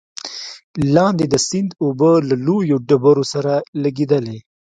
لاندې د سيند اوبه له لويو ډبرو سره لګېدلې،